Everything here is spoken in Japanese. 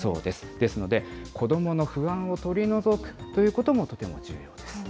ですので、子どもの不安を取り除くということもとても重要です。